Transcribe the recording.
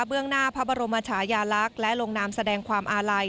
หน้าพระบรมชายาลักษณ์และลงนามแสดงความอาลัย